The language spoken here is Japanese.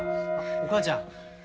お母ちゃん。